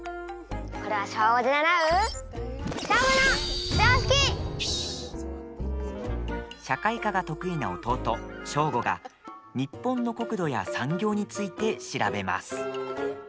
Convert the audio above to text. これは小５で習う社会科が得意な弟、ショーゴが日本の国土や産業について調べます。